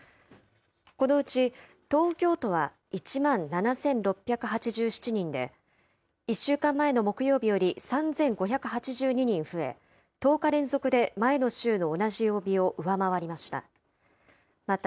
このうち東京都は１万７６８７人で、１週間前の木曜日より３５８２人増え、１０日連続で前の週の同じ曜日を上回りました。